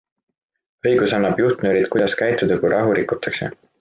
Õigus annab juhtnöörid, kuidas käituda, kui rahu rikutakse.